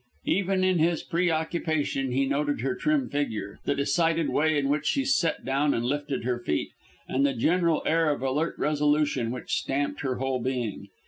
Even in his pre occupation he noted her trim figure, the decided way in which she set down and lifted her feet, and the general air of alert resolution which stamped her whole being.